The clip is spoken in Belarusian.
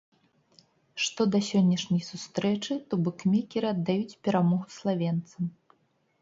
Што да сённяшняй сустрэчы, то букмекеры аддаюць перамогу славенцам.